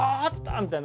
みたいな。